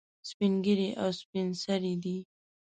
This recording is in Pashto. سپین ږیري او سپین سرې دي.